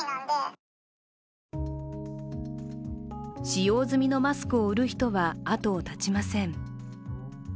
使用済みのマスクを売る人はあとを絶ちません。